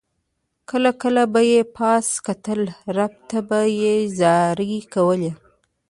کله کله به یې پاس کتل رب ته به یې زارۍ کولې.